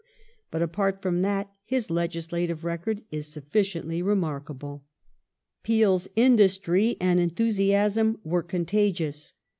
(But apart from that his legislative record is sufficiently remarkabl^.\'? Peel's industry and' enthusiasm were contagious.